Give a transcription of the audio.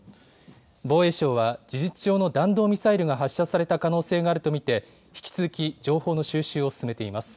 防衛省は、事実上の弾道ミサイルが発射された可能性があると見て、引き続き情報の収集を進めています。